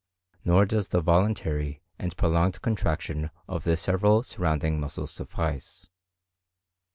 Nor does the voluntary and prolonged contraction of the several surrounding muscles suffice.